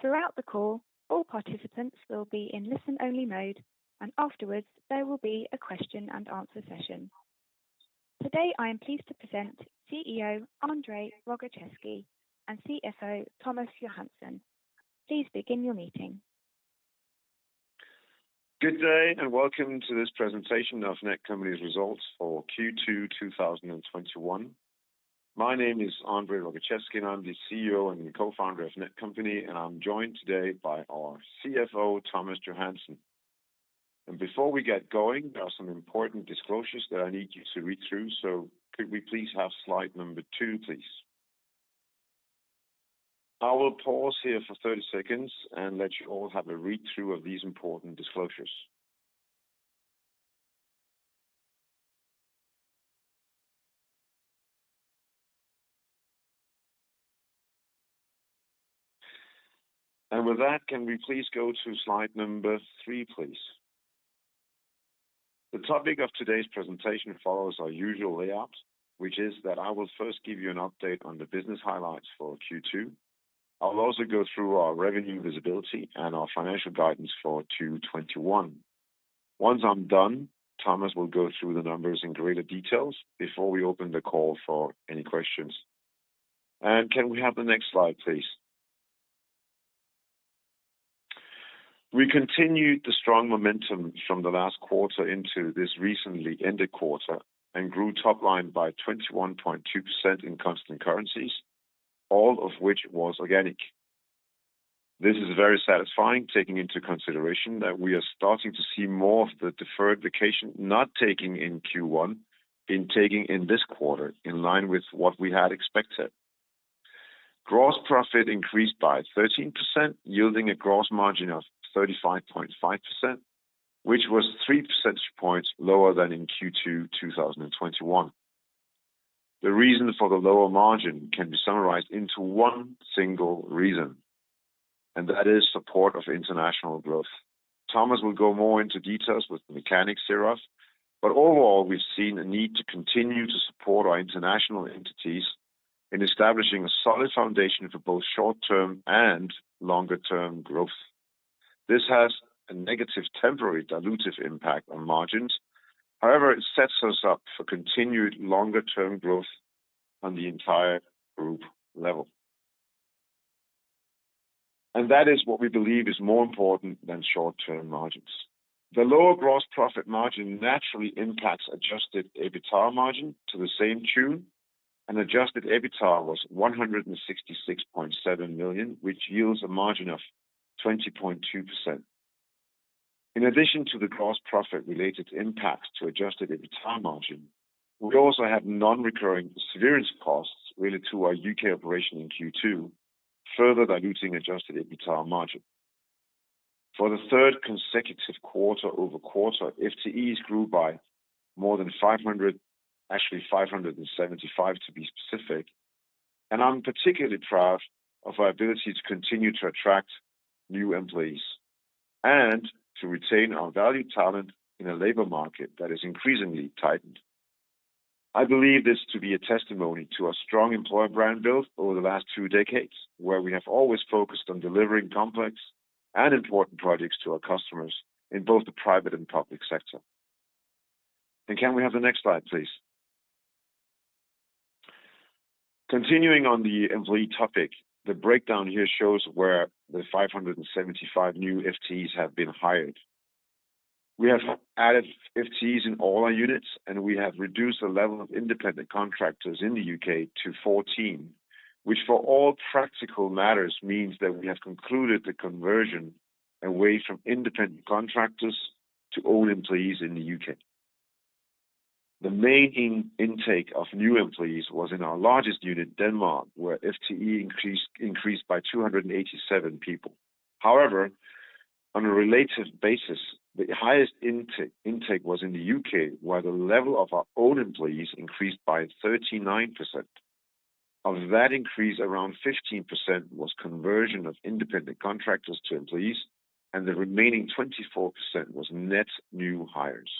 Throughout the call, all participants will be in listen-only mode, and afterwards there will be a question and answer session. Today, I am pleased to present CEO André Rogaczewski and CFO Thomas Johansen. Please begin your meeting. Good day, and welcome to this presentation of Netcompany's results for Q2 2021. My name is André Rogaczewski, and I'm the CEO and co-founder of Netcompany, and I'm joined today by our CFO, Thomas Johansen. Before we get going, there are some important disclosures that I need you to read through. Could we please have slide number two, please? I will pause here for 30 seconds and let you all have a read-through of these important disclosures. With that, can we please go to slide number three, please? The topic of today's presentation follows our usual layout, which is that I will first give you an update on the business highlights for Q2. I'll also go through our revenue visibility and our financial guidance for 2021. Once I'm done, Thomas will go through the numbers in greater details before we open the call for any questions. Can we have the next slide, please? We continued the strong momentum from the last quarter into this recently ended quarter and grew top line by 21.2% in constant currencies, all of which was organic. This is very satisfying, taking into consideration that we are starting to see more of the deferred vacation not taken in Q1 being taken in this quarter, in line with what we had expected. Gross profit increased by 13%, yielding a gross margin of 35.5%, which was three percentage points lower than in Q2 2021. The reason for the lower margin can be summarized into one single reason, and that is support of international growth. Thomas will go more into details with the mechanics thereof, but overall, we've seen a need to continue to support our international entities in establishing a solid foundation for both short-term and longer-term growth. This has a negative temporary dilutive impact on margins. However, it sets us up for continued longer-term growth on the entire group level. That is what we believe is more important than short-term margins. The lower gross profit margin naturally impacts adjusted EBITDA margin to the same tune, and adjusted EBITDA was 166.7 million, which yields a margin of 20.2%. In addition to the gross profit-related impact to adjusted EBITDA margin, we also had non-recurring severance costs related to our U.K. operation in Q2, further diluting adjusted EBITDA margin. For the third consecutive quarter-over-quarter, FTEs grew by more than 500, actually 575 to be specific, and I'm particularly proud of our ability to continue to attract new employees and to retain our valued talent in a labor market that is increasingly tightened. I believe this to be a testimony to our strong employer brand built over the last two decades, where we have always focused on delivering complex and important projects to our customers in both the private and public sector. Can we have the next slide, please? Continuing on the employee topic, the breakdown here shows where the 575 new FTEs have been hired. We have added FTEs in all our units, and we have reduced the level of independent contractors in the U.K. to 14, which for all practical matters, means that we have concluded the conversion away from independent contractors to own employees in the U.K. The main intake of new employees was in our largest unit, Denmark, where FTE increased by 287 people. However, on a relative basis, the highest intake was in the U.K., where the level of our own employees increased by 39%. Of that increase, around 15% was conversion of independent contractors to employees, and the remaining 24% was net new hires.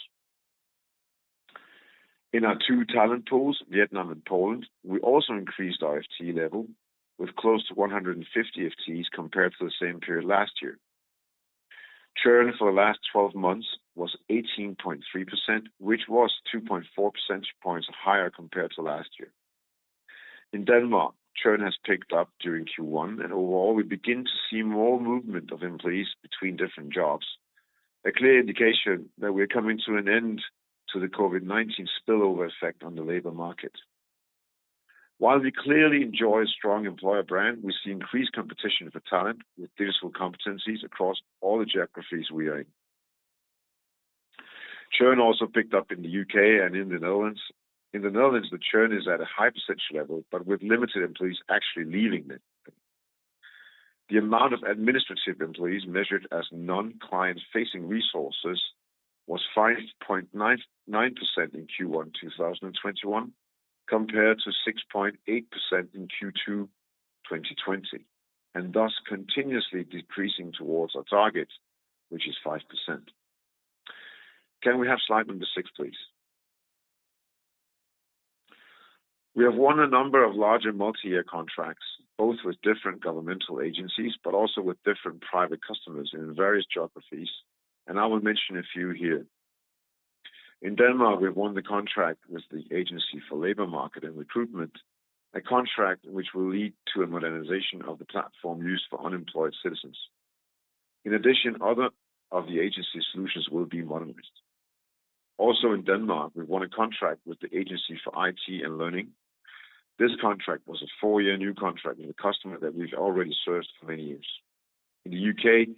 In our two talent pools, Vietnam and Poland, we also increased our FTE level with close to 150 FTEs compared to the same period last year. Churn for the last 12 months was 18.3%, which was 2.4 percentage points higher compared to last year. In Denmark, churn has picked up during Q1, and overall, we begin to see more movement of employees between different jobs, a clear indication that we're coming to an end to the COVID-19 spillover effect on the labor market. While we clearly enjoy a strong employer brand, we see increased competition for talent with digital competencies across all the geographies we are in. Churn also picked up in the U.K. and in the Netherlands. In the Netherlands, the churn is at a high percentage level, but with limited employees actually leaving it. The amount of administrative employees measured as non-client facing resources was 5.99% in Q1 2021, compared to 6.8% in Q2 2020, and thus continuously decreasing towards our target, which is 5%. Can we have slide number six, please? We have won a number of larger multi-year contracts, both with different governmental agencies, but also with different private customers in various geographies, and I will mention a few here. In Denmark, we've won the contract with the Agency for Labour Market and Recruitment, a contract which will lead to a modernization of the platform used for unemployed citizens. In addition, other of the agency solutions will be modernized. Also in Denmark, we've won a contract with the Agency for IT and Learning. This contract was a four-year new contract with a customer that we've already served for many years. In the U.K.,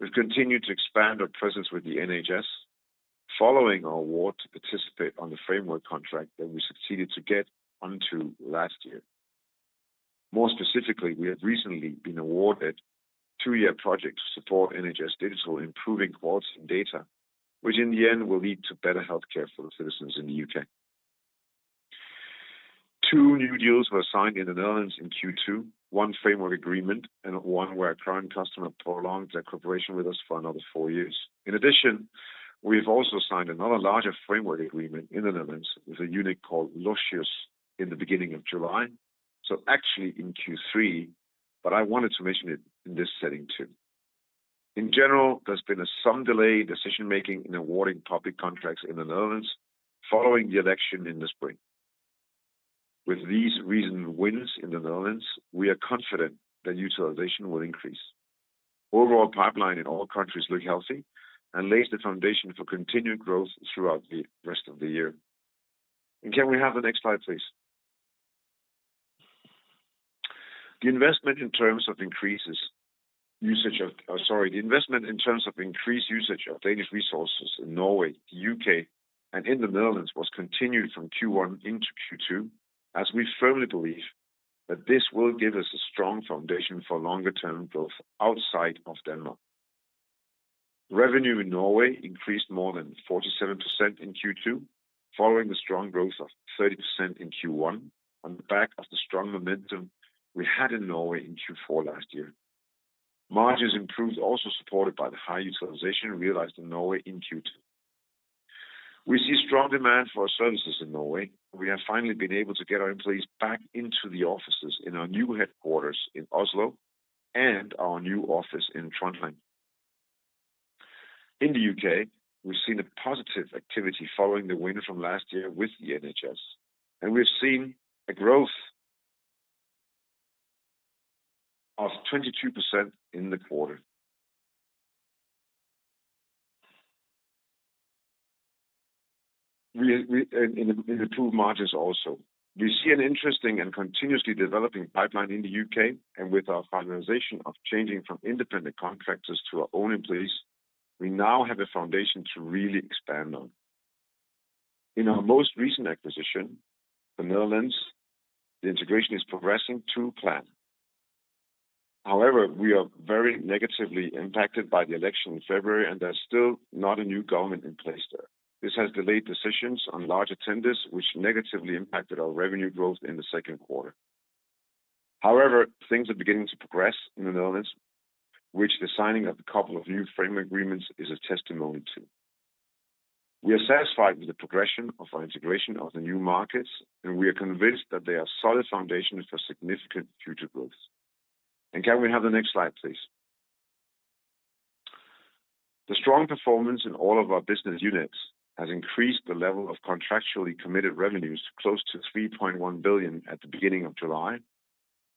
we've continued to expand our presence with the NHS, following our award to participate on the framework contract that we succeeded to get onto last year. More specifically, we have recently been awarded a two-year project to support NHS Digital in improving quality and data, which in the end will lead to better healthcare for the citizens in the U.K. Two new deals were signed in the Netherlands in Q2, one framework agreement and one where a current customer prolonged their cooperation with us for another four years. In addition, we've also signed another larger framework agreement in the Netherlands with a unit called Logius in the beginning of July, so actually in Q3, but I wanted to mention it in this setting too. In general, there has been some delayed decision-making in awarding public contracts in the Netherlands following the election in the spring. With these recent wins in the Netherlands, we are confident that utilization will increase. Overall pipeline in all countries looks healthy, lays the foundation for continued growth throughout the rest of the year. Can we have the next slide, please? The investment in terms of increased usage of Danish resources in Norway, the U.K., and in the Netherlands was continued from Q1 into Q2, as we firmly believe that this will give us a strong foundation for longer-term growth outside of Denmark. Revenue in Norway increased more than 47% in Q2, following the strong growth of 30% in Q1 on the back of the strong momentum we had in Norway in Q4 last year. Margins improved, also supported by the high utilization realized in Norway in Q2. We see strong demand for our services in Norway. We have finally been able to get our employees back into the offices in our new headquarters in Oslo and our new office in Trondheim. In the U.K., we've seen a positive activity following the win from last year with the NHS. We've seen a growth of 22% in the quarter. We improved margins also. We see an interesting and continuously developing pipeline in the U.K. With our finalization of changing from independent contractors to our own employees, we now have a foundation to really expand on. In our most recent acquisition, the Netherlands, the integration is progressing to plan. However, we are very negatively impacted by the election in February. There's still not a new government in place there. This has delayed decisions on larger tenders, which negatively impacted our revenue growth in the second quarter. However, things are beginning to progress in the Netherlands, which the signing of a couple of new framework agreements is a testimony to. We are satisfied with the progression of our integration of the new markets, and we are convinced that they are solid foundations for significant future growth. Can we have the next slide, please? The strong performance in all of our business units has increased the level of contractually committed revenues to close to 3.1 billion at the beginning of July,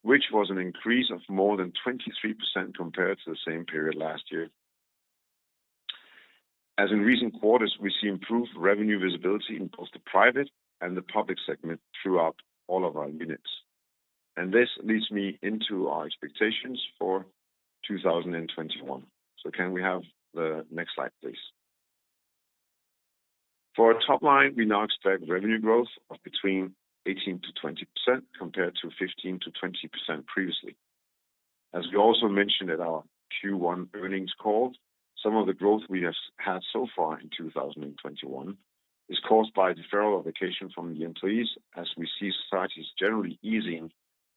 which was an increase of more than 23% compared to the same period last year. As in recent quarters, we see improved revenue visibility in both the private and the public segment throughout all of our units. This leads me into our expectations for 2021. Can we have the next slide, please? For our top line, we now expect revenue growth of between 18%-20% compared to 15%-20% previously. As we also mentioned at our Q1 earnings call, some of the growth we have had so far in 2021 is caused by deferral of vacation from the employees, as we see societies generally easing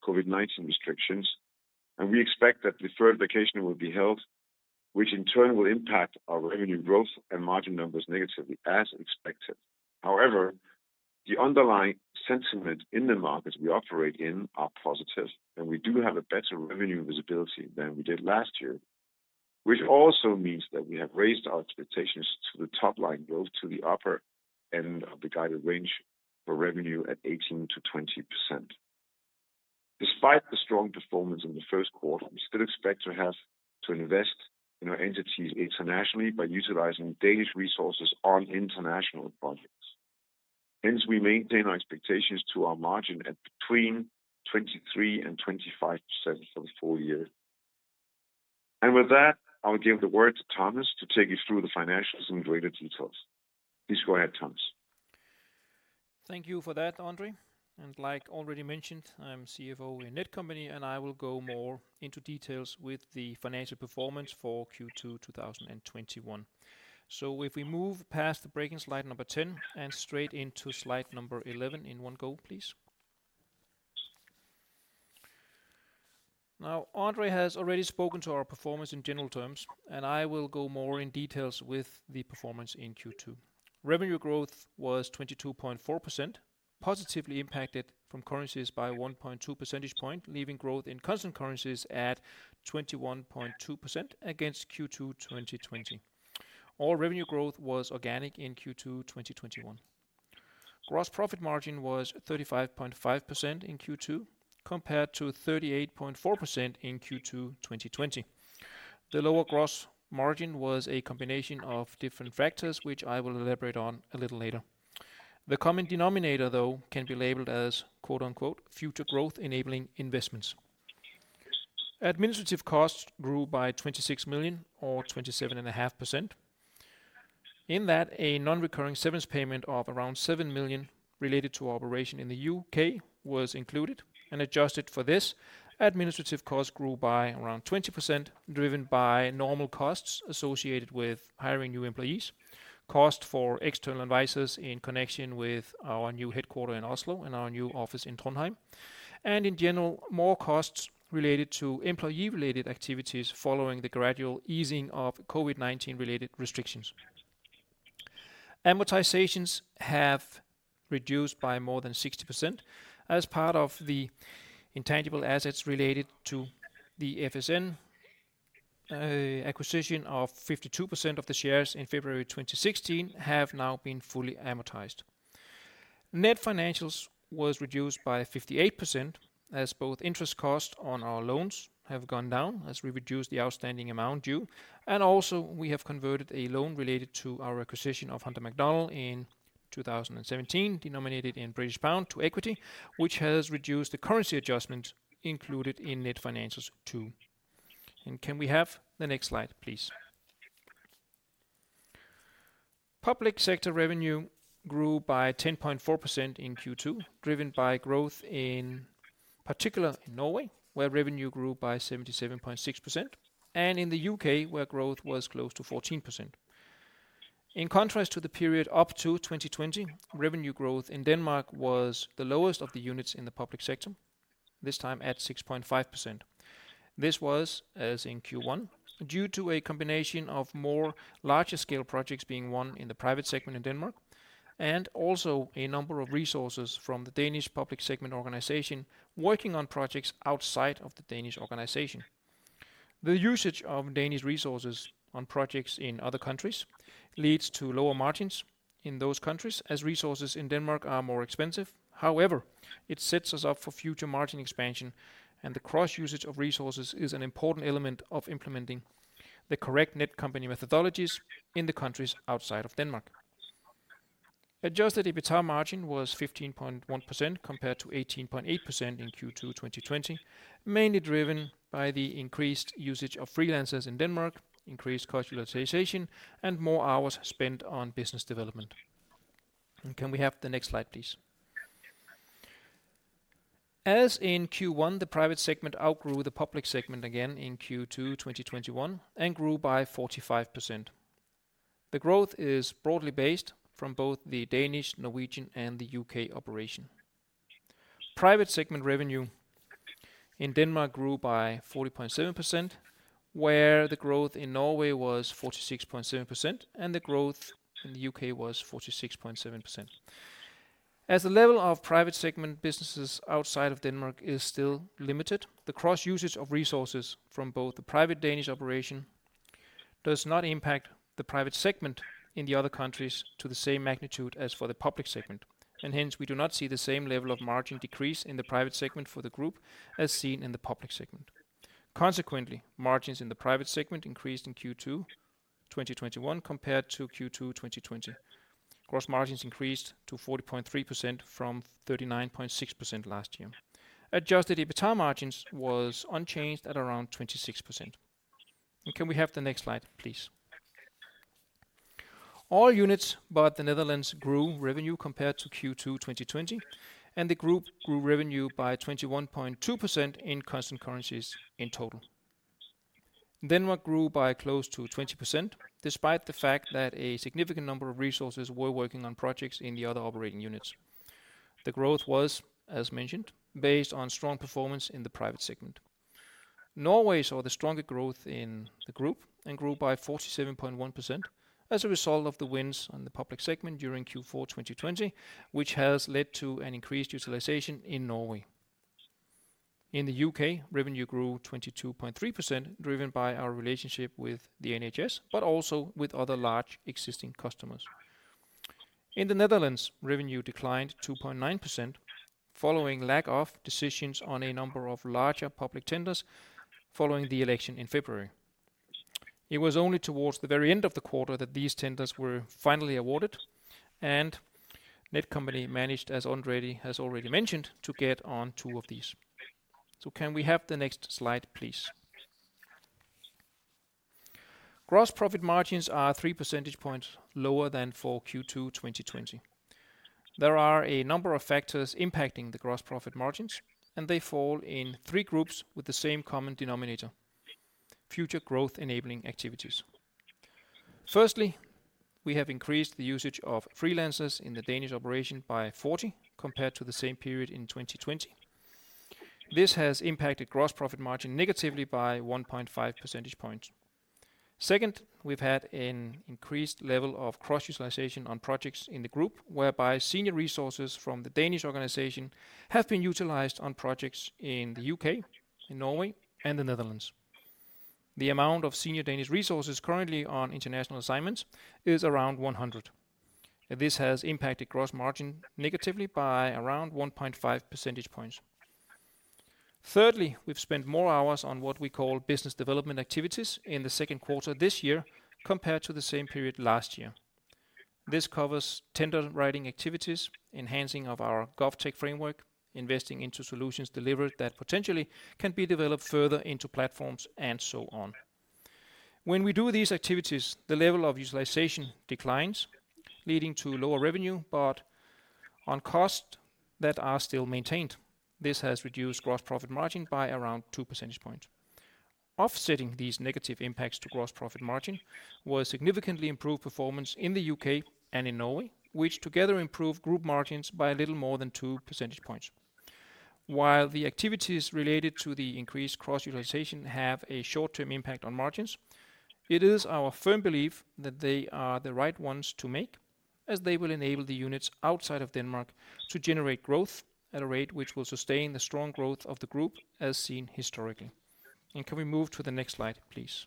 COVID-19 restrictions. We expect that deferred vacation will be held, which in turn will impact our revenue growth and margin numbers negatively as expected. The underlying sentiment in the markets we operate in are positive, and we do have a better revenue visibility than we did last year, which also means that we have raised our expectations to the top line growth to the upper end of the guided range for revenue at 18%-20%. Despite the strong performance in the first quarter, we still expect to have to invest in our entities internationally by utilizing Danish resources on international projects. Hence, we maintain our expectations to our margin at between 23% and 25% for the full year. With that, I will give the word to Thomas to take you through the financials in greater details. Please go ahead, Thomas. Thank you for that, André. Like already mentioned, I'm CFO in Netcompany, and I will go more into details with the financial performance for Q2 2021. If we move past the breaking slide number 10 and straight into slide number 11 in one go, please. André has already spoken to our performance in general terms, I will go more in details with the performance in Q2. Revenue growth was 22.4%, positively impacted from currencies by 1.2 percentage point, leaving growth in constant currencies at 21.2% against Q2 2020. All revenue growth was organic in Q2 2021. Gross profit margin was 35.5% in Q2 compared to 38.4% in Q2 2020. The lower gross margin was a combination of different factors, which I will elaborate on a little later. The common denominator, though, can be labeled as, "future growth-enabling investments." Administrative costs grew by 26 million or 27.5%. In that, a non-recurring severance payment of around 7 million related to operation in the U.K. was included and adjusted for this. Administrative costs grew by around 20%, driven by normal costs associated with hiring new employees, cost for external advisors in connection with our new headquarter in Oslo and our new office in Trondheim, and in general, more costs related to employee-related activities following the gradual easing of COVID-19-related restrictions. Amortizations have reduced by more than 60% as part of the intangible assets related to the FSN acquisition of 52% of the shares in February 2016 have now been fully amortized. Net financials was reduced by 58%, as both interest costs on our loans have gone down as we reduce the outstanding amount due, and also we have converted a loan related to our acquisition of Hunter Macdonald in 2017, denominated in British pound to equity, which has reduced the currency adjustment included in net financials too. Can we have the next slide, please. Public sector revenue grew by 10.4% in Q2, driven by growth in particular in Norway, where revenue grew by 77.6%, and in the U.K., where growth was close to 14%. In contrast to the period up to 2020, revenue growth in Denmark was the lowest of the units in the public sector, this time at 6.5%. This was, as in Q1, due to a combination of more larger-scale projects being won in the private segment in Denmark, and also a number of resources from the Danish public segment organization working on projects outside of the Danish organization. The usage of Danish resources on projects in other countries leads to lower margins in those countries, as resources in Denmark are more expensive. However, it sets us up for future margin expansion, and the cross-usage of resources is an important element of implementing the correct Netcompany methodologies in the countries outside of Denmark. Adjusted EBITDA margin was 15.1% compared to 18.8% in Q2 2020, mainly driven by the increased usage of freelancers in Denmark, increased cost utilization, and more hours spent on business development. Can we have the next slide, please? As in Q1, the private segment outgrew the public segment again in Q2 2021 and grew by 45%. The growth is broadly based from both the Danish, Norwegian, and the U.K. operation. Private segment revenue in Denmark grew by 40.7%, where the growth in Norway was 46.7%, and the growth in the U.K. was 46.7%. As the level of private segment businesses outside of Denmark is still limited, the cross-usage of resources from both the private Danish operation does not impact the private segment in the other countries to the same magnitude as for the public segment, and hence we do not see the same level of margin decrease in the private segment for the group as seen in the public segment. Consequently, margins in the private segment increased in Q2 2021 compared to Q2 2020. Gross margins increased to 40.3% from 39.6% last year. Adjusted EBITDA margins was unchanged at around 26%. Can we have the next slide, please? All units but the Netherlands grew revenue compared to Q2 2020. The group grew revenue by 21.2% in constant currencies in total. Denmark grew by close to 20%, despite the fact that a significant number of resources were working on projects in the other operating units. The growth was, as mentioned, based on strong performance in the private segment. Norway saw the strongest growth in the group and grew by 47.1% as a result of the wins on the public segment during Q4 2020, which has led to an increased utilization in Norway. In the U.K., revenue grew 22.3%, driven by our relationship with the NHS, but also with other large existing customers. In the Netherlands, revenue declined 2.9% following lack of decisions on a number of larger public tenders following the election in February. It was only towards the very end of the quarter that these tenders were finally awarded, and Netcompany managed, as André has already mentioned, to get on two of these. Can we have the next slide, please? Gross profit margins are three percentage points lower than for Q2 2020. There are a number of factors impacting the gross profit margins, and they fall in three groups with the same common denominator, future growth-enabling activities. Firstly, we have increased the usage of freelancers in the Danish operation by 40% compared to the same period in 2020. This has impacted gross profit margin negatively by 1.5 percentage points. Second, we've had an increased level of cross-utilization on projects in the group, whereby senior resources from the Danish organization have been utilized on projects in the U.K., in Norway, and the Netherlands. The amount of senior Danish resources currently on international assignments is around 100. This has impacted gross margin negatively by around 1.5 percentage points. Thirdly, we've spent more hours on what we call business development activities in the second quarter of this year compared to the same period last year. This covers tender writing activities, enhancing of our GovTech framework, investing into solutions delivered that potentially can be developed further into platforms, and so on. When we do these activities, the level of utilization declines, leading to lower revenue, but on costs that are still maintained. This has reduced gross profit margin by around two percentage points. Offsetting these negative impacts to gross profit margin, was significantly improved performance in the U.K. and in Norway, which together improved group margins by a little more than two percentage points. While the activities related to the increased cross-utilization have a short-term impact on margins, it is our firm belief that they are the right ones to make, as they will enable the units outside of Denmark to generate growth at a rate which will sustain the strong growth of the group as seen historically. Can we move to the next slide, please?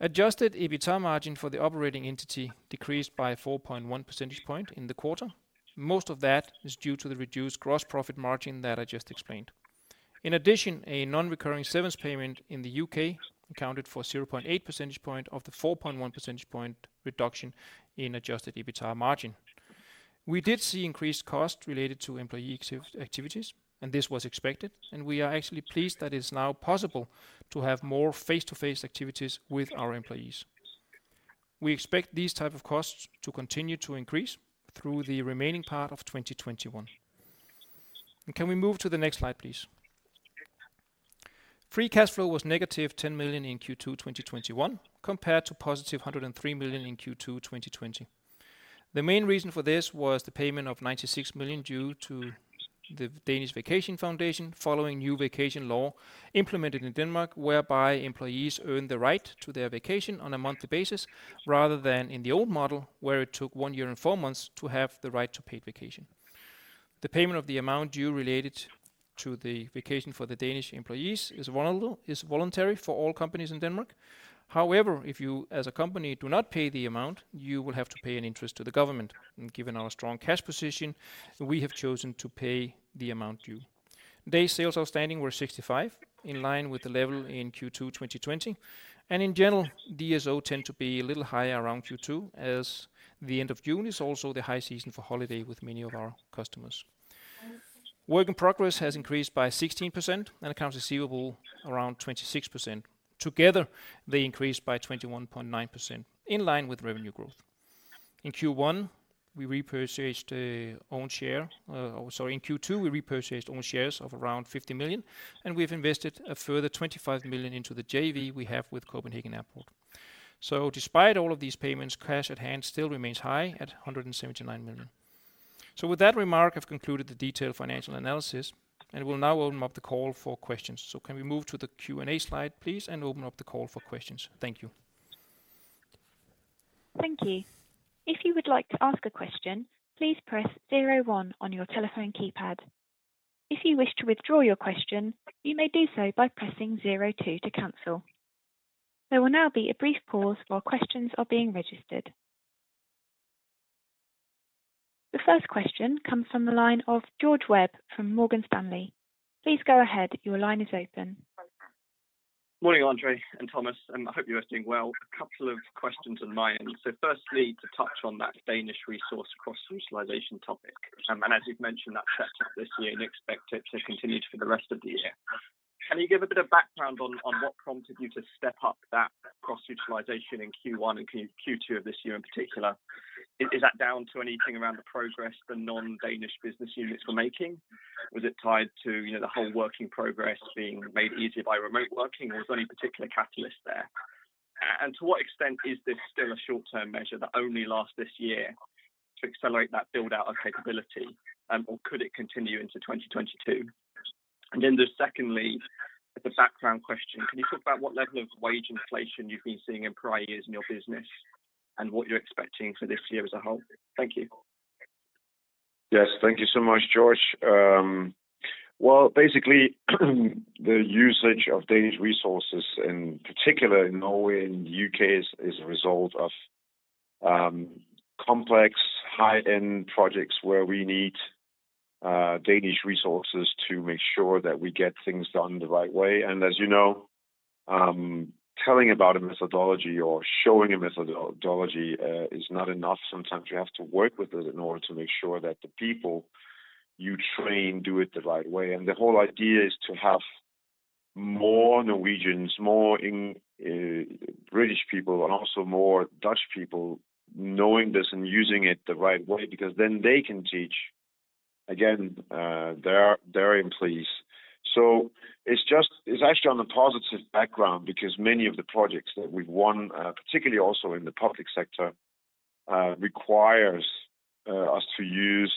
Adjusted EBITDA margin for the operating entity decreased by 4.1 percentage point in the quarter. Most of that is due to the reduced gross profit margin that I just explained. In addition, a non-recurring service payment in the U.K. accounted for 0.8 percentage point of the 4.1 percentage point reduction in adjusted EBITDA margin. We did see increased costs related to employee activities, and this was expected, and we are actually pleased that it is now possible to have more face-to-face activities with our employees. We expect these type of costs to continue to increase through the remaining part of 2021. Can we move to the next slide, please? Free cash flow was negative 10 million in Q2 2021, compared to positive 103 million in Q2 2020. The main reason for this was the payment of 96 million due to the Danish Vacation Foundation following new vacation law implemented in Denmark, whereby employees earn the right to their vacation on a monthly basis rather than in the old model, where it took one year and four months to have the right to paid vacation. The payment of the amount due related to the vacation for the Danish employees is voluntary for all companies in Denmark. However, if you, as a company, do not pay the amount, you will have to pay an interest to the government. Given our strong cash position, we have chosen to pay the amount due. Day sales outstanding were 65, in line with the level in Q2 2020. In general, DSO tend to be a little higher around Q2 as the end of June is also the high season for holiday with many of our customers. Work in progress has increased by 16%, and accounts receivable around 26%. Together, they increased by 21.9%, in line with revenue growth. In Q1, we repurchased own share. Sorry, in Q2, we repurchased own shares of around 50 million, and we've invested a further 25 million into the JV we have with Copenhagen Airport. Despite all of these payments, cash at hand still remains high at 179 million. With that remark, I've concluded the detailed financial analysis, and we'll now open up the call for questions. Can we move to the Q&A slide, please, and open up the call for questions? Thank you. Thank you. If you'd like to ask a question, please press zero one on your telephone keypad. If you wish to withdraw you question, you may decide by pressing zero two to cancel. There will now be a poll for question registered. The first question comes from the line of George Webb from Morgan Stanley. Please go ahead. Your line is open. Morning, André and Thomas. I hope you are doing well. A couple of questions on my end. Firstly, to touch on that Danish resource cross-utilization topic, and as you've mentioned, that stepped up this year, and you expect it to continue for the rest of the year. Can you give a bit of background on what prompted you to step up that cross-utilization in Q1 and Q2 of this year in particular? Is that down to anything around the progress the non-Danish business units were making? Was it tied to the whole working progress being made easier by remote working? Or was there any particular catalyst there? To what extent is this still a short-term measure that only lasts this year to accelerate that build-out of capability? Or could it continue into 2022? Then just secondly, as a background question, can you talk about what level of wage inflation you've been seeing in prior years in your business and what you're expecting for this year as a whole? Thank you. Yes. Thank you so much, George. Well, basically, the usage of Danish resources, in particular in Norway and U.K., is a result of complex high-end projects where we need Danish resources to make sure that we get things done the right way. As you know, telling about a methodology or showing a methodology is not enough. Sometimes you have to work with it in order to make sure that the people you train do it the right way. The whole idea is to have more Norwegians, more British people, and also more Dutch people knowing this and using it the right way, because then they can teach. Again, they are employees. It's actually on a positive background because many of the projects that we've won, particularly also in the public sector, requires us to use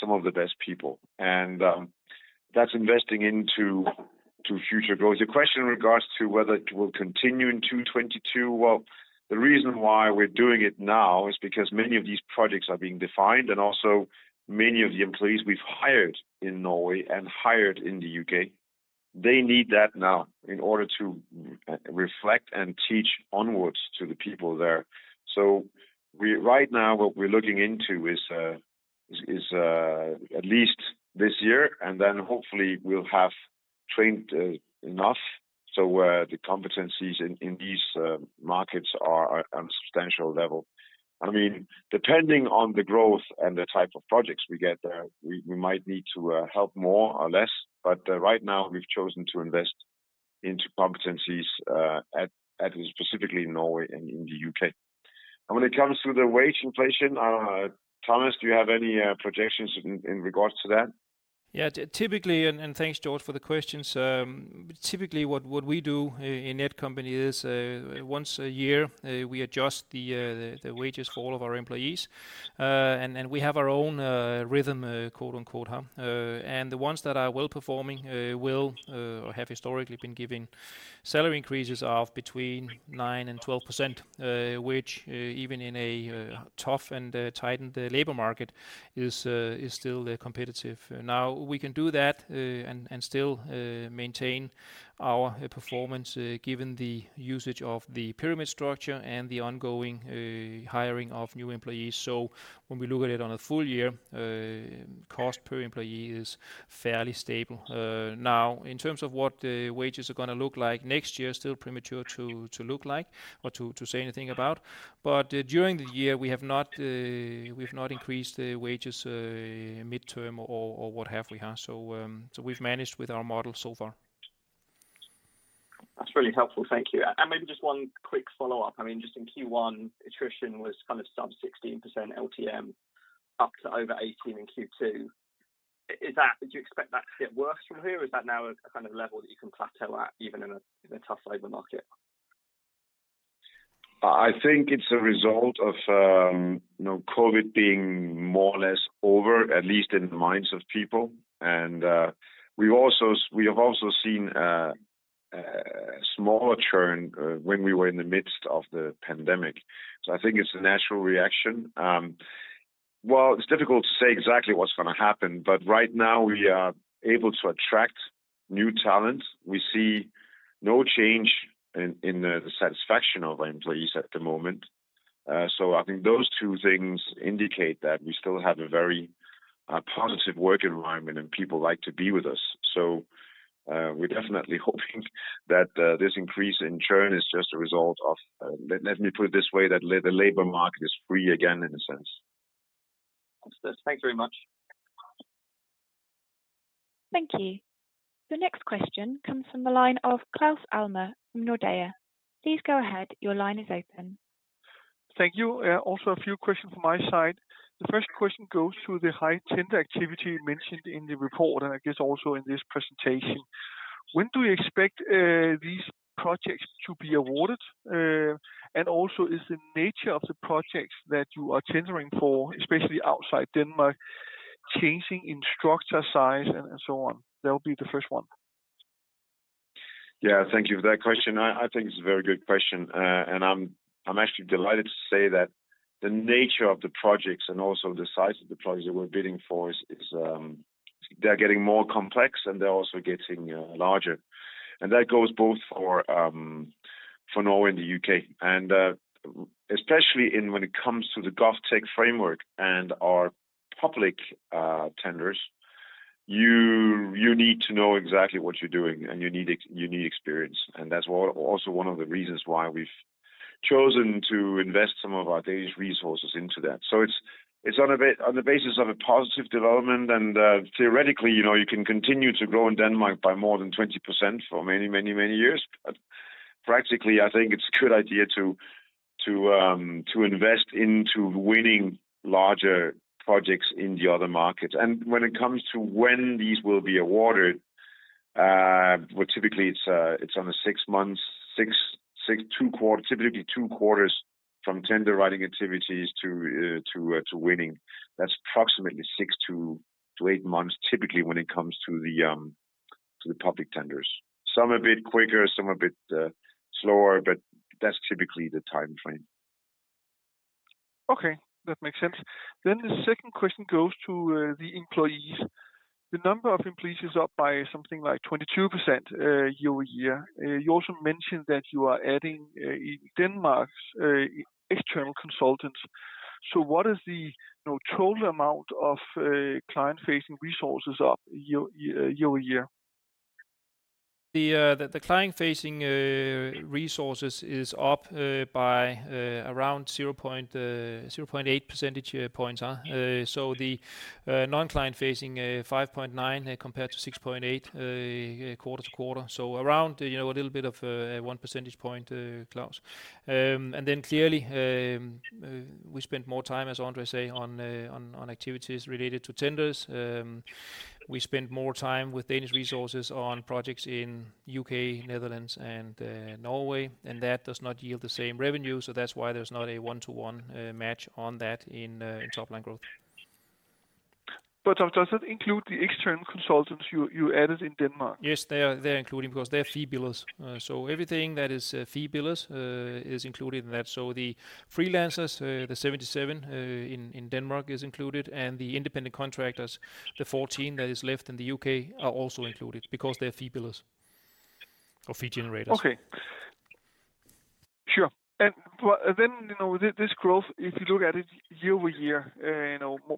some of the best people, and that's investing into future growth. The question in regards to whether it will continue in 2022, well, the reason why we're doing it now is because many of these projects are being defined, and also many of the employees we've hired in Norway and hired in the U.K., they need that now in order to reflect and teach onwards to the people there. Right now, what we're looking into is at least this year, and then hopefully we'll have trained enough so the competencies in these markets are on a substantial level. Depending on the growth and the type of projects we get there, we might need to help more or less, but right now we've chosen to invest into competencies at specifically Norway and in the U.K. When it comes to the wage inflation, Thomas, do you have any projections in regards to that? Yeah. Thanks, George, for the questions. Typically what we do in Netcompany is, once a year, we adjust the wages for all of our employees, and we have our own, "rhythm." The ones that are well-performing will or have historically been given salary increases of between 9% and 12%, which even in a tough and tightened labor market is still competitive. Now, we can do that and still maintain our performance, given the usage of the pyramid structure and the ongoing hiring of new employees. When we look at it on a full year, cost per employee is fairly stable. Now, in terms of what the wages are going to look like next year, still premature to look like or to say anything about, but during the year, we have not increased the wages midterm or what have we. We've managed with our model so far. That's really helpful. Thank you. Maybe just one quick follow-up. Just in Q1, attrition was sub 16% LTM up to over 18% in Q2. Do you expect that to get worse from here, or is that now a level that you can plateau at even in a tough labor market? I think it's a result of COVID being more or less over, at least in the minds of people. We have also seen a smaller churn when we were in the midst of the pandemic. I think it's a natural reaction. Well, it's difficult to say exactly what's going to happen, but right now we are able to attract new talent. We see no change in the satisfaction of our employees at the moment. I think those two things indicate that we still have a very positive work environment and people like to be with us. We're definitely hoping that this increase in churn is just a result of, let me put it this way, that the labor market is free again in a sense. Thanks very much. Thank you. The next question comes from the line of Claus Almer from Nordea. Please go ahead. Your line is open. Thank you. A few questions from my side. The first question goes to the high tender activity mentioned in the report, and I guess also in this presentation. When do you expect these projects to be awarded? Is the nature of the projects that you are tendering for, especially outside Denmark, changing in structure, size, and so on? That would be the first one. Yeah. Thank you for that question. I'm actually delighted to say that the nature of the projects and also the size of the projects that we're bidding for is, they're getting more complex and they're also getting larger. That goes both for Norway and the U.K. Especially when it comes to the GovTech framework and our public tenders, you need to know exactly what you're doing and you need experience. That's also one of the reasons why we've chosen to invest some of our Danish resources into that. It's on the basis of a positive development and theoretically, you can continue to grow in Denmark by more than 20% for many years. Practically, I think it's a good idea to invest into winning larger projects in the other markets. When it comes to when these will be awarded, well, typically it's on six months, typically two quarters from tender writing activities to winning. That's approximately six to eight months, typically when it comes to the public tenders. Some a bit quicker, some a bit slower, that's typically the timeframe. Okay. That makes sense. The second question goes to the employees. The number of employees is up by something like 22% year-over-year. You also mentioned that you are adding in Denmark external consultants. What is the total amount of client-facing resources up year-over-year? The client-facing resources is up by around 0.8 percentage points. The non-client-facing, 5.9% compared to 6.8% quarter-to-quarter. Around a little bit of one percentage point, Claus. Clearly, we spent more time, as André say, on activities related to tenders. We spent more time with Danish resources on projects in U.K., Netherlands, and Norway, and that does not yield the same revenue, so that's why there's not a one-to-one match on that in top-line growth. Does that include the external consultants you added in Denmark? Yes, they are included because they are fee billers. Everything that is fee billers is included in that. The freelancers, the 77 in Denmark is included, and the independent contractors, the 14 that is left in the U.K. are also included because they're fee billers or fee generators. Okay. Sure. This growth, if you look at it year-over-year,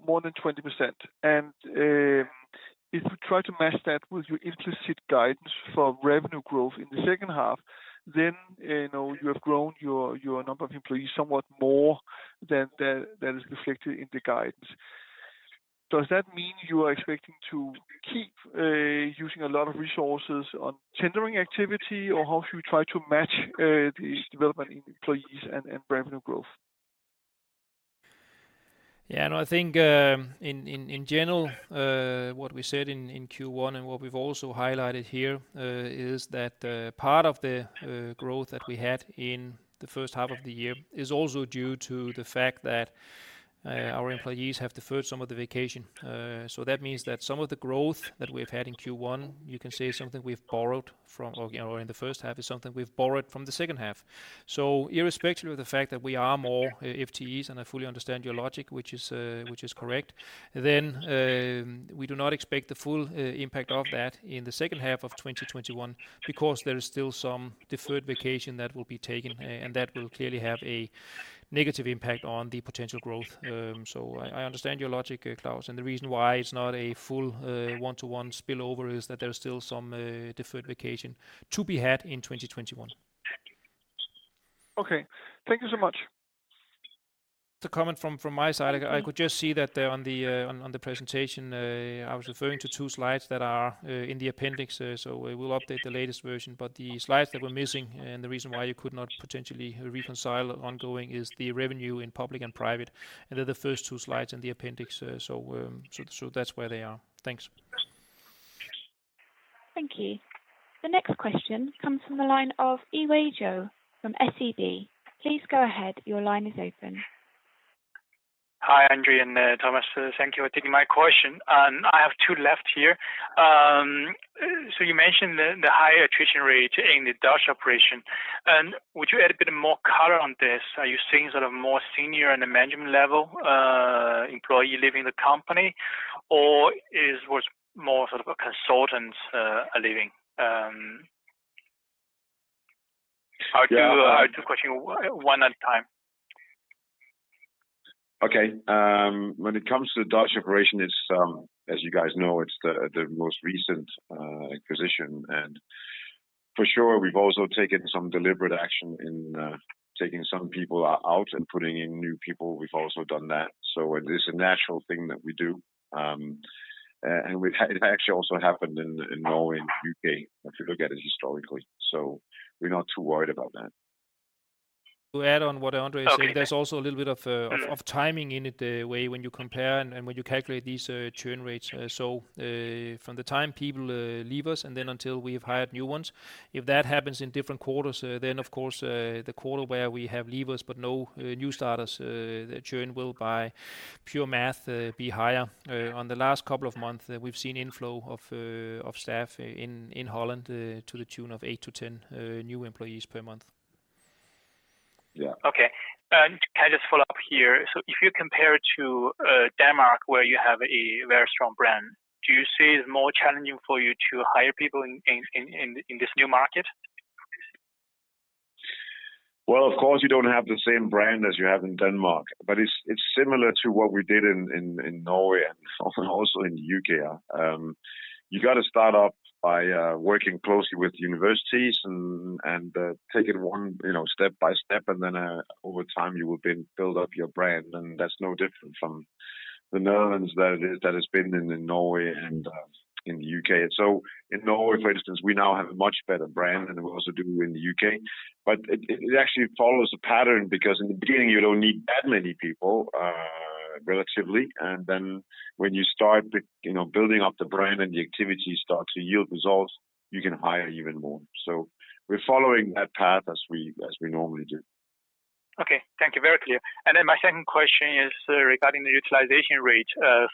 more than 20%. If you try to match that with your implicit guidance for revenue growth in the second half, then you have grown your number of employees somewhat more than that is reflected in the guidance. Does that mean you are expecting to keep using a lot of resources on tendering activity? How do you try to match this development in employees and revenue growth? Yeah, no, I think, in general, what we said in Q1 and what we've also highlighted here, is that part of the growth that we had in the first half of the year is also due to the fact that our employees have deferred some of the vacation. That means that some of the growth that we've had in Q1, you can say is something we've borrowed from, or in the first half, is something we've borrowed from the second half. Irrespective of the fact that we are more FTEs, and I fully understand your logic, which is correct, then we do not expect the full impact of that in the second half of 2021 because there is still some deferred vacation that will be taken, and that will clearly have a negative impact on the potential growth. I understand your logic, Claus, and the reason why it's not a full one-to-one spillover is that there is still some deferred vacation to be had in 2021. Okay. Thank you so much. Just a comment from my side. I could just see that on the presentation, I was referring to two slides that are in the appendix. We will update the latest version, but the slides that were missing and the reason why you could not potentially reconcile ongoing is the revenue in public and private, and they're the first two slides in the appendix. That's where they are. Thanks. Thank you. The next question comes from the line of Yiwei Zhou from SEB. Please go ahead, your line is open. Hi, André and Thomas. Thank you for taking my question. I have two left here. You mentioned the high attrition rate in the Dutch operation. Would you add a bit more color on this? Are you seeing more senior in the management level employee leaving the company, or is it more consultants are leaving? I'll do two questions one at a time. Okay. When it comes to Dutch operation, as you guys know, it's the most recent acquisition. For sure, we've also taken some deliberate action in taking some people out and putting in new people. We've also done that. It is a natural thing that we do. It actually also happened in Norway and U.K. if you look at it historically, so we're not too worried about that. To add on what André is saying, there's also a little bit of timing in it, Yiwei, when you compare and when you calculate these churn rates. From the time people leave us and then until we've hired new ones, if that happens in different quarters, then of course, the quarter where we have leavers but no new starters, the churn will by pure math, be higher. On the last couple of months, we've seen inflow of staff in Holland to the tune of 8-10 new employees per month. Yeah. Okay. Can I just follow up here? If you compare to Denmark where you have a very strong brand, do you see it more challenging for you to hire people in this new market? Of course, you don't have the same brand as you have in Denmark, but it's similar to what we did in Norway and also in the U.K. You got to start up by working closely with universities and take it step-by-step, then over time, you will then build up your brand. That's no different from the Netherlands than it has been in Norway and in the U.K. In Norway, for instance, we now have a much better brand than we also do in the U.K. It actually follows a pattern because in the beginning, you don't need that many people, relatively. Then when you start building up the brand and the activity starts to yield results, you can hire even more. We're following that path as we normally do. Okay. Thank you. Very clear. My second question is regarding the utilization rate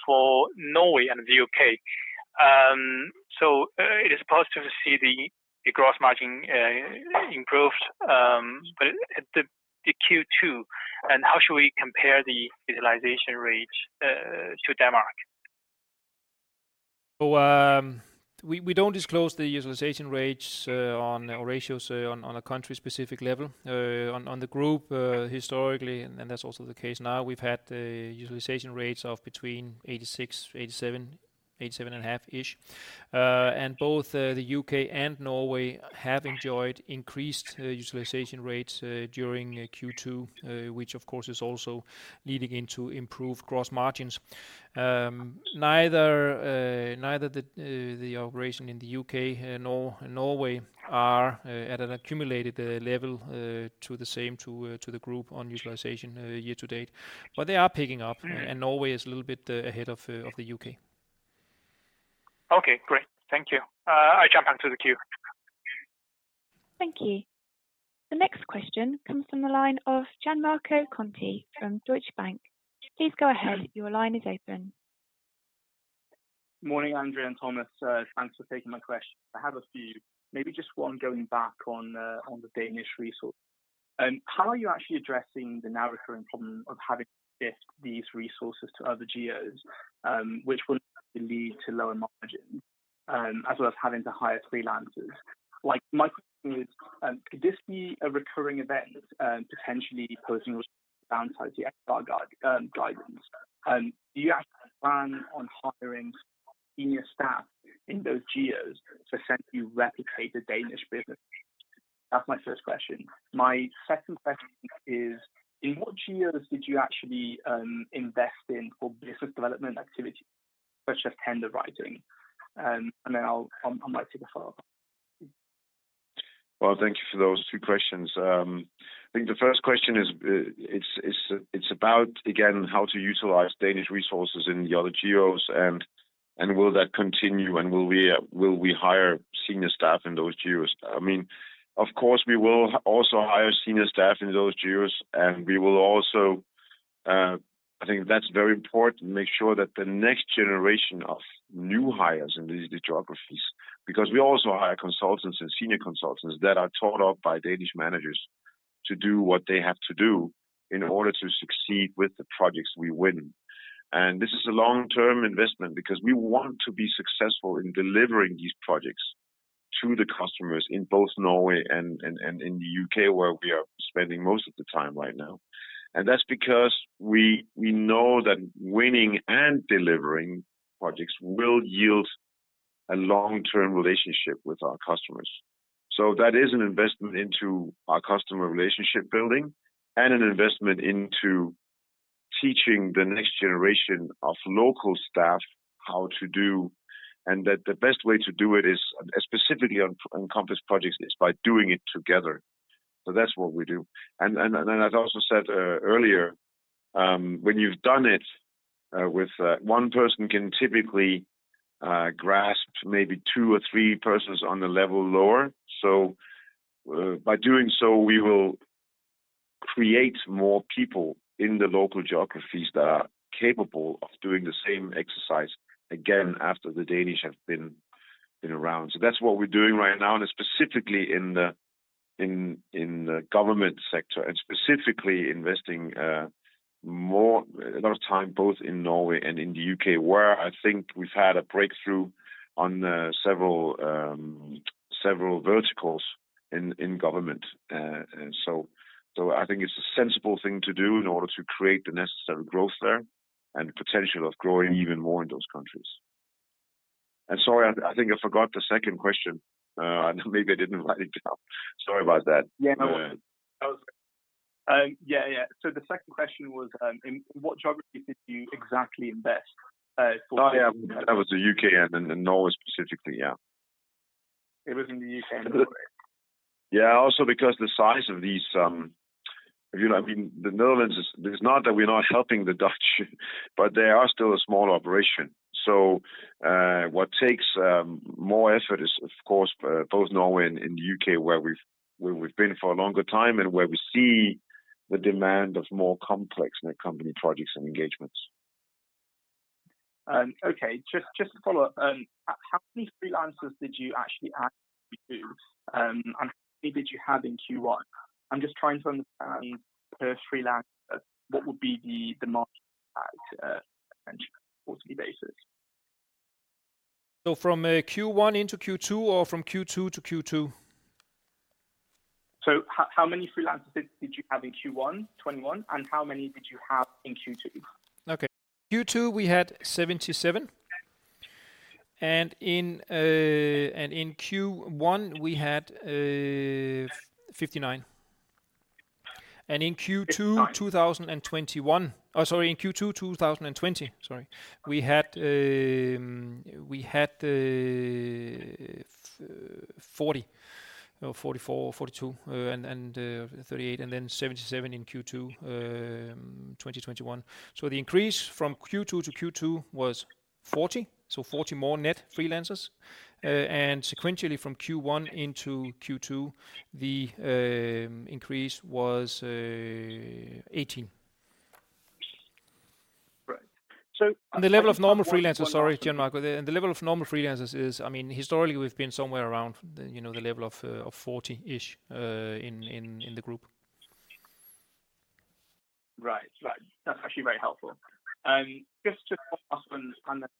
for Norway and the U.K. It is positive to see the gross margin improved in Q2. How should we compare the utilization rates to Denmark? We don't disclose the utilization rates or ratios on a country-specific level. On the group, historically, and that's also the case now, we've had utilization rates of between 86, 87.5-ish. Both the U.K. and Norway have enjoyed increased utilization rates during Q2, which of course is also leading into improved gross margins. Neither the operation in the U.K. nor Norway are at an accumulated level to the same to the group on utilization year to date. They are picking up, and Norway is a little bit ahead of the U.K. Okay, great. Thank you. I jump out of the queue. Thank you. The next question comes from the line of Gianmarco Conti from Deutsche Bank. Please go ahead. Your line is open. Morning, André Rogaczewski and Thomas. Thanks for taking my questions. I have a few. Maybe just one going back on the Danish resource. How are you actually addressing the now recurring problem of having to shift these resources to other geos, which will lead to lower margins, as well as having to hire freelancers? My question is, could this be a recurring event, potentially posing downside to your guidance? Do you actually plan on hiring senior staff in those geos to essentially replicate the Danish business? That's my first question. My second question is, in what geos did you actually invest in for business development activity, such as tender writing? And then I might take a follow-up. Well, thank you for those two questions. I think the first question is, it's about, again, how to utilize Danish resources in the other geos, and will that continue, and will we hire senior staff in those geos? Of course, we will also hire senior staff in those geos, and we will also, I think that's very important, make sure that the next generation of new hires in these geographies, because we also hire consultants and senior consultants that are taught off by Danish managers to do what they have to do in order to succeed with the projects we win. This is a long-term investment because we want to be successful in delivering these projects to the customers in both Norway and in the U.K., where we are spending most of the time right now. That's because we know that winning and delivering projects will yield a long-term relationship with our customers. That is an investment into our customer relationship building and an investment into teaching the next generation of local staff how to do, and that the best way to do it is, specifically on complex projects, is by doing it together. That's what we do. As I also said earlier, when you've done it with one person can typically grasp maybe two or three persons on the level lower. By doing so, we will create more people in the local geographies that are capable of doing the same exercise again after the Danish have been around. That's what we're doing right now, specifically in the government sector, specifically investing a lot of time both in Norway and in the U.K., where I think we've had a breakthrough on several verticals in government. I think it's a sensible thing to do in order to create the necessary growth there and the potential of growing even more in those countries. Sorry, I think I forgot the second question. Maybe I didn't write it down. Sorry about that. Yeah. The second question was, in what geographies did you exactly invest? That was the U.K. and Norway specifically, yeah. It was in the U.K. and Norway. Yeah, also because I mean, the Netherlands, it's not that we're not helping the Dutch, but they are still a small operation. What takes more effort is, of course, both Norway and the U.K., where we've been for a longer time and where we see the demand of more complex Netcompany projects and engagements. Okay. Just to follow up. How many freelancers did you actually add in Q2, and how many did you have in Q1? I'm just trying to understand per freelancer, what would be the margin impact on a quarterly basis? From Q1 into Q2 or from Q2 to Q2? How many freelancers did you have in Q1 2021, and how many did you have in Q2? Okay. Q2, we had 77. In Q1, we had 59. 59 In Q2 2020, sorry, we had 40. No, 44 or 42 and 38, and then 77 in Q2 2021. The increase from Q2 to Q2 was 40. 40 more net freelancers. Sequentially from Q1 into Q2, the increase was 18. Right. The level of normal freelancers, sorry, Gianmarco, the level of normal freelancers is, historically, we've been somewhere around the level of 40-ish in the group. That's actually very helpful. Just to follow up and understand that.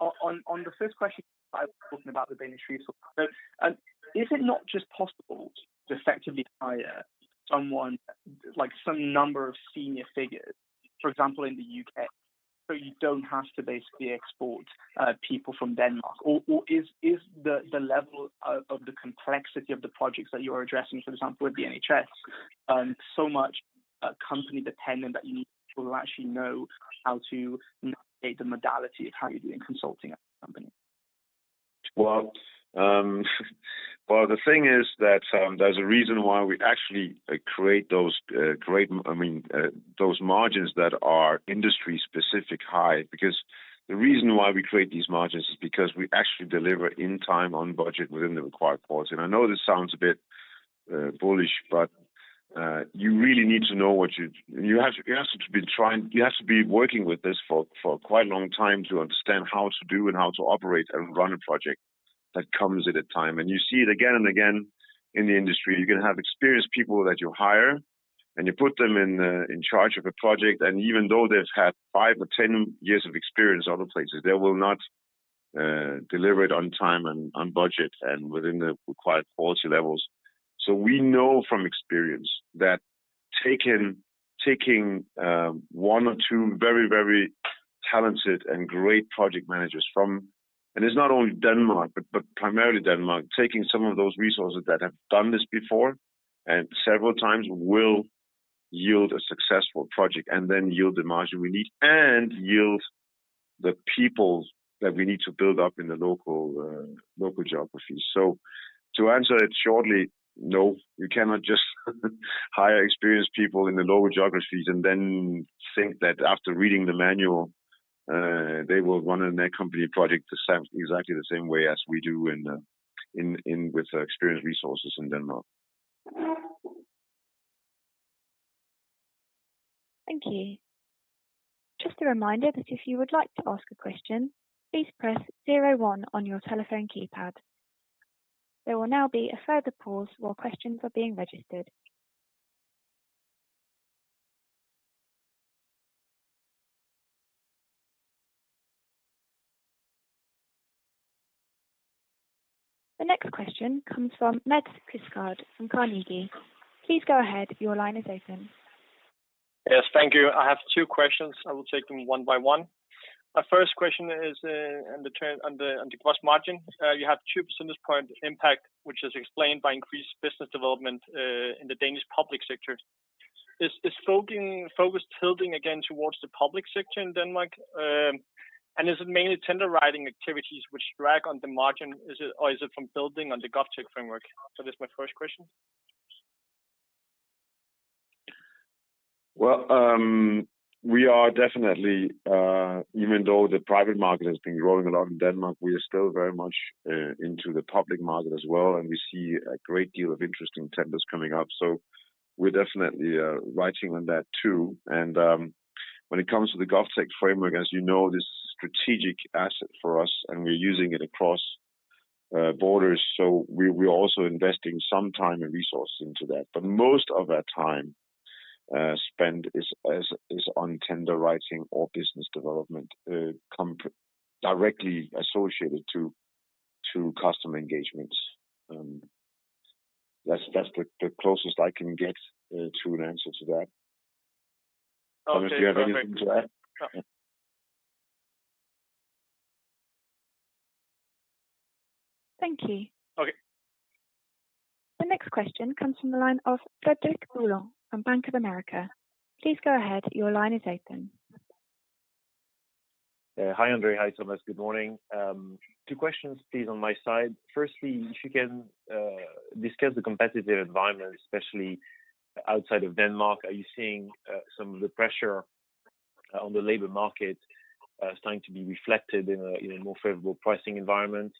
On the first question, I was talking about the Danish resource. Is it not just possible to effectively hire someone, some number of senior figures, for example, in the U.K., so you don't have to basically export people from Denmark? Is the level of the complexity of the projects that you are addressing, for example, with the NHS, so much company-dependent that you need people who actually know how to navigate the modality of how you do consulting at the company? Well, the thing is that there's a reason why we actually create those margins that are industry-specific high. The reason why we create these margins is because we actually deliver in time, on budget, within the required policy. I know this sounds a bit bullish, but you really need to know. You have to be working with this for quite a long time to understand how to do and how to operate and run a project that comes at a time. You see it again and again in the industry. You can have experienced people that you hire, and you put them in charge of a project, and even though they've had five or 10 years of experience other places, they will not deliver it on time and on budget and within the required quality levels. We know from experience that taking one or two very talented and great project managers from, and it's not only Denmark, but primarily Denmark, taking some of those resources that have done this before and several times will yield a successful project and then yield the margin we need. Yield the people that we need to build up in the local geographies. To answer it shortly, no, you cannot just hire experienced people in the lower geographies and then think that after reading the manual, they will run a Netcompany project the same, exactly the same way as we do with experienced resources in Denmark. Thank you. Just a reminder that if you would like to ask a question, please press zero one on your telephone keypad. There will now be a further pause while questions are being registered. The next question comes from Mads Quistgaard from Carnegie. Please go ahead. Your line is open. Yes. Thank you. I have two questions. I will take them one by one. My first question is on the gross margin. You have two percentage point impact, which is explained by increased business development in the Danish public sector. Is focus tilting again towards the public sector in Denmark? Is it mainly tender writing activities which drag on the margin, or is it from building on the GovTech framework? That's my first question. We are definitely, even though the private market has been growing a lot in Denmark, we are still very much into the public market as well, and we see a great deal of interesting tenders coming up. We're definitely riding on that too. When it comes to the GovTech framework, as you know, this is a strategic asset for us, and we're using it across borders. We're also investing some time and resource into that. Most of our time spent is on tender writing or business development directly associated to customer engagements. That's the closest I can get to an answer to that. Okay. Perfect. Thomas, do you have anything to add? Thank you. Okay. The next question comes from the line of Frédéric Boulan from Bank of America. Please go ahead. Your line is open. Hi, André. Hi, Thomas. Good morning. Two questions, please, on my side. If you can discuss the competitive environment, especially outside of Denmark. Are you seeing some of the pressure on the labor market starting to be reflected in a more favorable pricing environment?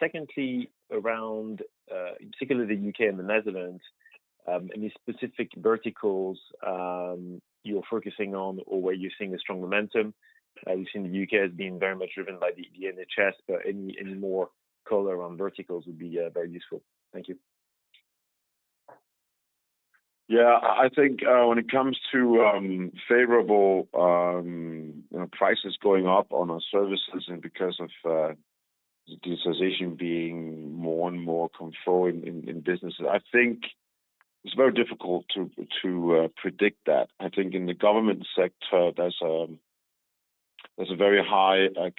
Secondly, around, particularly the U.K. and the Netherlands, any specific verticals you're focusing on or where you're seeing a strong momentum? I've seen the U.K. as being very much driven by the NHS, any more color on verticals would be very useful. Thank you. Yeah, I think when it comes to favorable prices going up on our services and because of digitization being more and more controlling in businesses, I think it's very difficult to predict that. I think in the government sector, there's a very high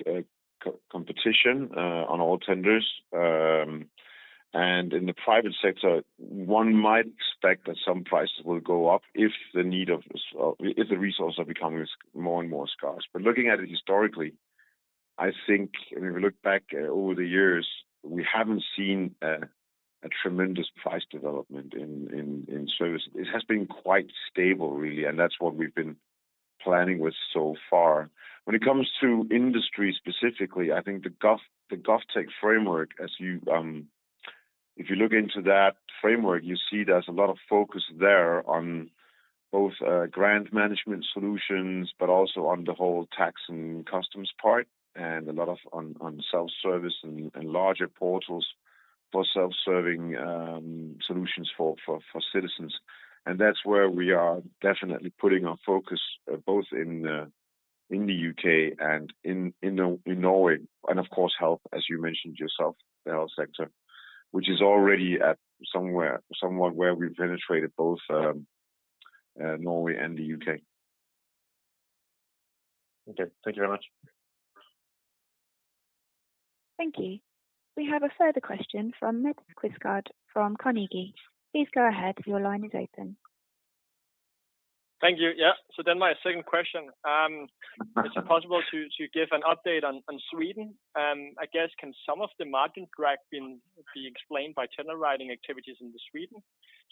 competition on all tenders. In the private sector, one might expect that some prices will go up if the resources are becoming more and more scarce. Looking at it historically, I think if we look back over the years, we haven't seen a tremendous price development in service. It has been quite stable, really, and that's what we've been planning with so far. When it comes to industry specifically, I think the GovTech framework, if you look into that framework, you see there's a lot of focus there on both grant management solutions, but also on the whole tax and customs part, and a lot of on self-service and larger portals for self-serving solutions for citizens. That's where we are definitely putting our focus, both in the U.K. and in Norway, and of course, health, as you mentioned yourself, the health sector, which is already at somewhat where we penetrated both Norway and the U.K. Okay. Thank you very much. Thank you. We have a further question from Mads Quistgaard from Carnegie. Please go ahead. Your line is open. Thank you. Yeah. My second question, is it possible to give an update on Sweden? I guess, can some of the margin drag be explained by tender writing activities into Sweden?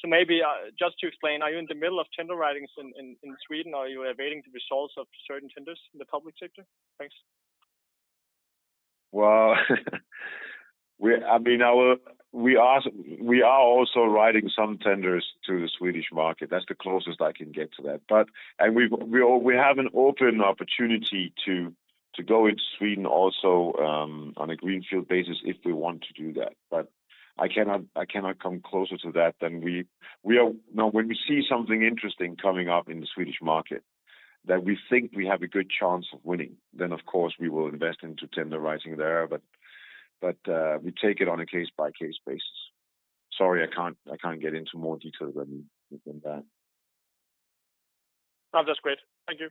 Maybe just to explain, are you in the middle of tender writings in Sweden? Are you awaiting the results of certain tenders in the public sector? Thanks. Well, we are also writing some tenders to the Swedish market. That's the closest I can get to that. We have an open opportunity to go into Sweden also on a greenfield basis if we want to do that. I cannot come closer to that. Now, when we see something interesting coming up in the Swedish market that we think we have a good chance of winning, of course, we will invest into tender writing there. We take it on a case-by-case basis. Sorry, I can't get into more detail than that. No, that's great. Thank you.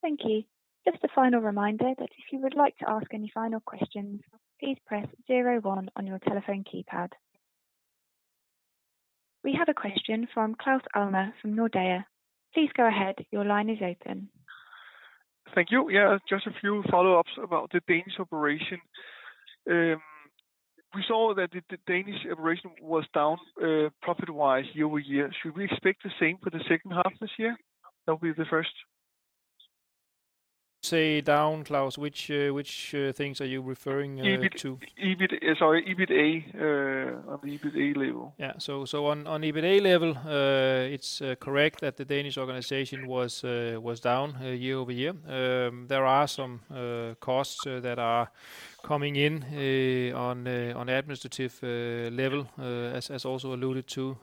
Thank you. Just a final reminder that if you would like to ask any final questions, please press zero one on your telephone keypad. We have a question from Claus Almer from Nordea. Please go ahead. Your line is open. Thank you. Yeah, just a few follow-ups about the Danish operation. We saw that the Danish operation was down profit-wise year-over-year. Should we expect the same for the second half this year? That will be the first. Say down, Claus, which things are you referring to? Sorry, EBITDA. On the EBITDA level. On EBITDA level, it's correct that the Danish organization was down year-over-year. There are some costs that are coming in on administrative level, as also alluded to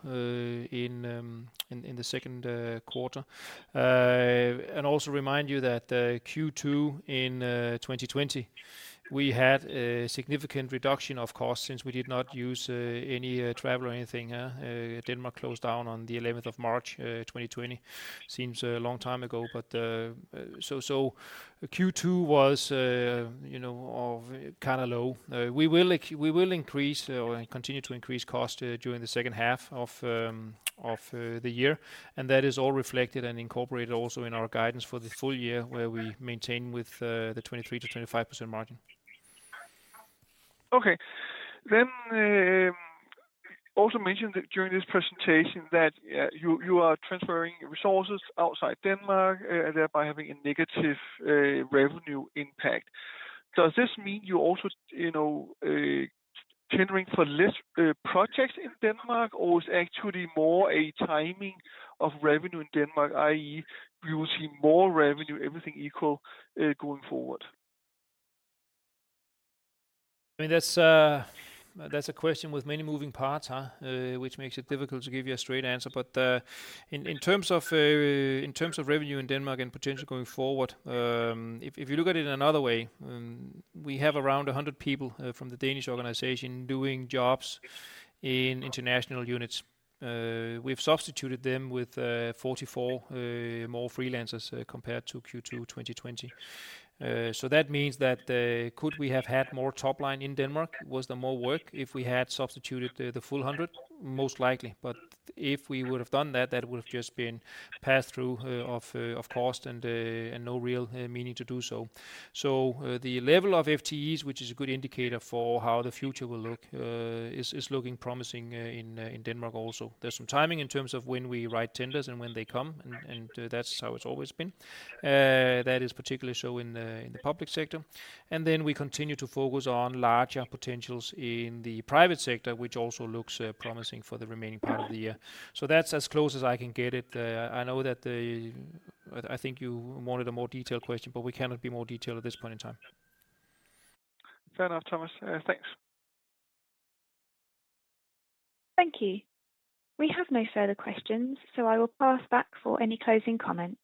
in the second quarter. Also remind you that Q2 in 2020, we had a significant reduction of costs since we did not use any travel or anything. Denmark closed down on the 11th of March 2020. Seems a long time ago. Q2 was kind of low. We will increase or continue to increase cost during the second half of the year, that is all reflected and incorporated also in our guidance for the full year, where we maintain with the 23%-25% margin. Okay. Also mentioned during this presentation that you are transferring resources outside Denmark, thereby having a negative revenue impact. Does this mean you also tendering for less projects in Denmark, or is actually more a timing of revenue in Denmark, i.e., we will see more revenue, everything equal, going forward? That's a question with many moving parts, which makes it difficult to give you a straight answer. In terms of revenue in Denmark and potential going forward, if you look at it another way, we have around 100 people from the Danish organization doing jobs in international units. We've substituted them with 44 more freelancers compared to Q2 2020. That means that could we have had more top line in Denmark? Was there more work if we had substituted the full 100? Most likely. If we would've done that would've just been pass-through of cost and no real meaning to do so. The level of FTEs, which is a good indicator for how the future will look, is looking promising in Denmark also. There's some timing in terms of when we write tenders and when they come, and that's how it's always been. That is particularly so in the public sector. We continue to focus on larger potentials in the private sector, which also looks promising for the remaining part of the year. That's as close as I can get it. I think you wanted a more detailed question. We cannot be more detailed at this point in time. Fair enough, Thomas. Thanks. Thank you. We have no further questions, so I will pass back for any closing comments.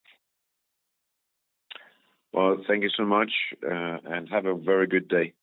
Well, thank you so much, and have a very good day.